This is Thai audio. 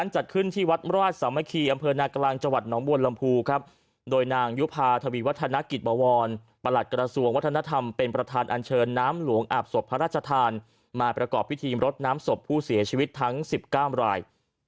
ห่วงอาบศพพระราชทานมาประกอบพิธีรถน้ำศพผู้เสียชีวิตทั้ง๑๐กล้ามราย